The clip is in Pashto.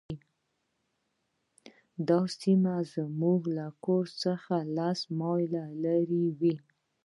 دا سیمې زموږ له کور څخه لس میله لرې وې